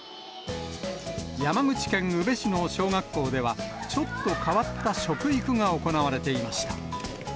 山口県宇部市の小学校では、ちょっと変わった食育が行われていました。